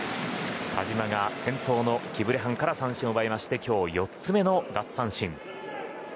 田嶋は先頭のキブレハンから三振を奪い、今日４つ目の奪三振。